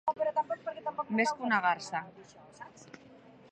Més que una garsa.